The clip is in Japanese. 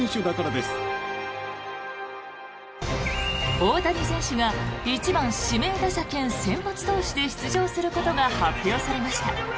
大谷選手が１番指名打者兼先発投手で出場することが発表されました。